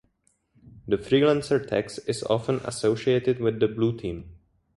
The Freelancer Tex is often associated with the Blue Team.